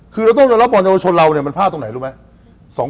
คือเราต้องยอมรับบอลเยาวชนเราเนี่ยมันพลาดตรงไหนรู้ไหม